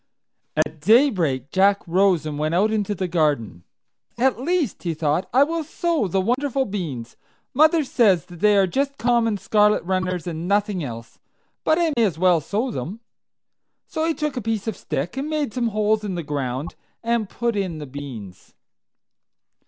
At daybreak Jack rose and went out into the garden. "At least," he thought, "I will sow the wonderful beans. Mother says that they are just common scarlet runners, and nothing else; but I may as well sow them." So he took a piece of stick, and made some holes in the ground, and put in the beans.